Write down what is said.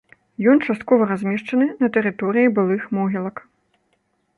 Ён часткова размешчаны на тэрыторыі былых могілак.